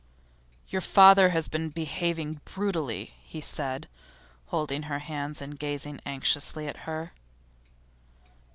'Your father has been behaving brutally,' he said, holding her hands and gazing anxiously at her.